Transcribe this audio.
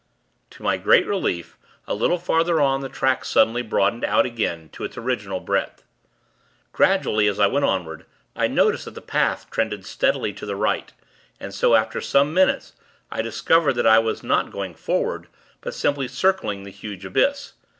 To my great relief, a little further on, the track suddenly broadened out again to its original breadth. Gradually, as I went onward, I noticed that the path trended steadily to the right, and so, after some minutes, I discovered that I was not going forward; but simply circling the huge abyss.